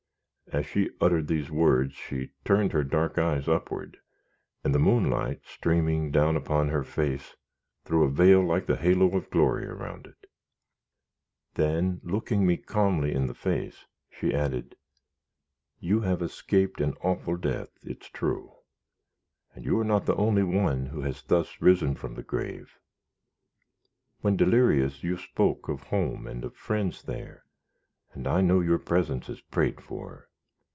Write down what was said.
As she uttered these words, she turned her dark eyes upward, and the moonlight streaming down upon her face, threw a vail like the halo of glory around it. Then looking me calmly in the face, she added: "You have escaped an awful death, it is true; and you are not the only one who has thus risen from the grave. When delirious, you spoke of home and of friends there, and I know your presence is prayed for.